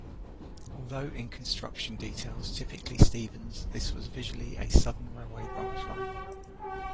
Although in construction details typically Stephens this was visually a Southern Railway branch line.